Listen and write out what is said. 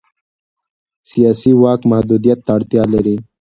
سیاسي واک محدودیت ته اړتیا لري